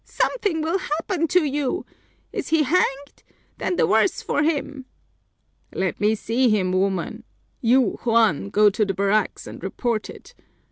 "Something will happen to you! Is he hanged? Then the worse for him!" "Let me see him, woman. You, Juan, go to the barracks and report it.